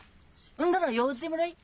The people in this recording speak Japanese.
んだら寄ってもらい。